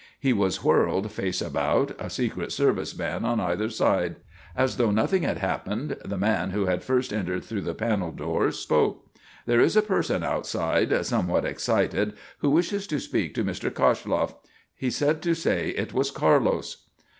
He was whirled face about, a secret service man on either side. As though nothing had happened, the man who had first entered through the panel door spoke: "There is a person outside somewhat excited who wishes to speak to Mr. Koshloff. He said to say it was Carlos."